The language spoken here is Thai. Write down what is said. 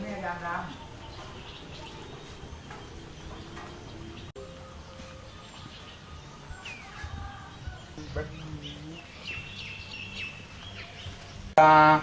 สวัสดีครับทุกคน